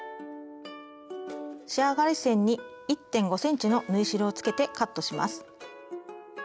仕上がり線に１．５ｃｍの縫い代をつけてカットします。